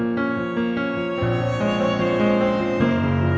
itu hype itu suhu itu ibarat etuk samseng ya